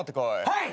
はい！